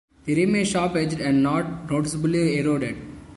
The rim is sharp-edged and not noticeably eroded.